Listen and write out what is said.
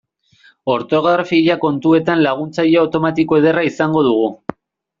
Ortografia kontuetan laguntzaile automatiko ederra izango dugu.